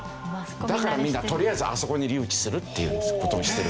だからみんなとりあえずあそこに留置するっていう事をしてるんです。